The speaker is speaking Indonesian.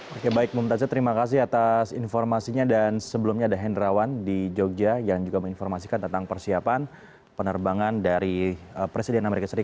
oke baik mbak muta zed terima kasih atas informasinya dan sebelumnya ada hendrawan di jogja yang juga menginformasikan tentang persiapan penerbangan dari presiden as